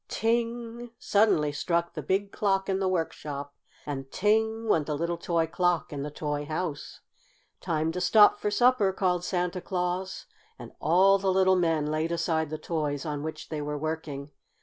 Ting! suddenly struck the big clock in the workshop. And ting! went the little toy clock in the toy house. "Time to stop for supper!" called Santa Claus, and all the little men laid aside the toys on which they were working.